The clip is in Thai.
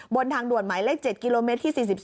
บนทางด่วนหมายเลข๗กิโลเมตรที่๔๒